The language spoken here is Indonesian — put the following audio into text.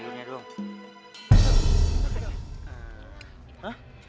oh ada yang lagi